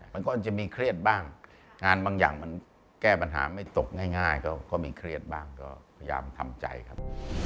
มันก็จะมีเครียดบ้างงานบางอย่างมันแก้ปัญหาไม่ตกง่ายก็มีเครียดบ้างก็พยายามทำใจครับ